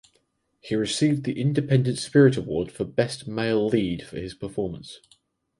He received the Independent Spirit Award for Best Male Lead for his performance.